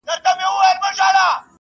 واک ته د رسېدو لپاره سيالۍ پيل سوې.